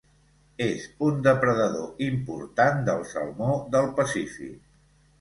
És un depredador important del salmó del Pacífic.